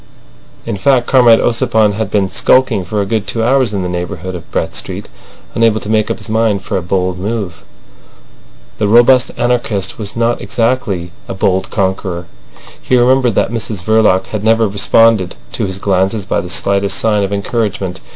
In fact, Comrade Ossipon had been skulking for a good two hours in the neighbourhood of Brett Street, unable to make up his mind for a bold move. The robust anarchist was not exactly a bold conqueror. He remembered that Mrs Verloc had never responded to his glances by the slightest sign of encouragement.